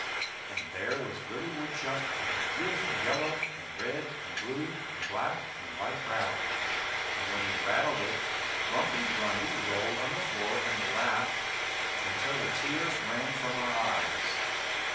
And there was Willie Woodchuck with the beautiful yellow and red and blue and black and white rattle, and when he rattled it Grumpy Grundy rolled on the floor and laughed until the tears ran from her eyes.